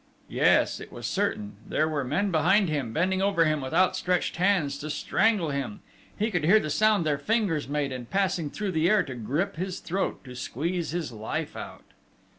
Yes, it was certain there were men behind him bending over him with outstretched hands to strangle him!... He could hear the sound their fingers made in passing through the air to grip his throat, to squeeze his life out!...